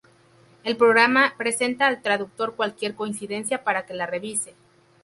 El programa presenta al traductor cualquier coincidencia para que la revise.